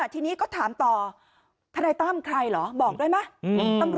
ทีนี้ก็ถามต่อทนายตั้มใครเหรอบอกได้ไหม